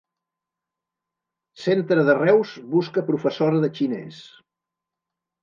Centre de Reus busca professora de xinès.